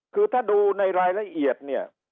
คือถ้าดูในรายละเอียดเนี่ย